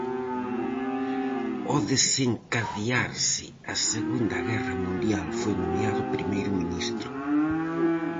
Ao desencadearse a Segunda Guerra Mundial foi nomeado primeiro ministro.